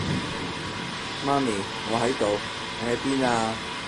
媽咪，我喺度，你喺邊啊？